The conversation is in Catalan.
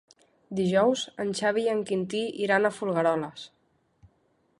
Dijous en Xavi i en Quintí iran a Folgueroles.